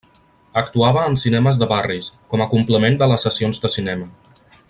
Actuava en cinemes de barris, com a complement de les sessions de cinema.